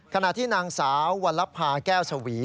ขณะที่นางสาววัลภาแก้วสวี